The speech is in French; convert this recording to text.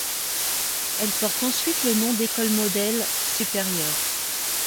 Elle porte ensuite le nom d'école modèle supérieure.